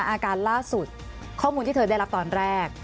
อาการล่าสุดข้อมูลที่เธอได้รับตอนแรก